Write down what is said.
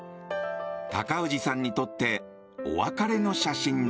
高氏さんにとってお別れの写真だ。